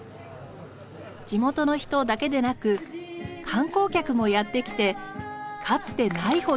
地元の人だけでなく観光客もやってきてかつてないほどの大盛況。